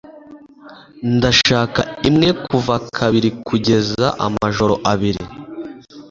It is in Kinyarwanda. Ndashaka imwe kuva kabiri kugeza amajoro abiri